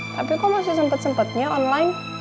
tapi kok masih sempet sempetnya online